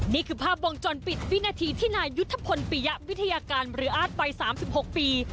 นี่คือภาพวงจรปิดวินาทีที่นายยุทธพลปียะวิทยาการหรืออาร์ตวัย๓๖ปี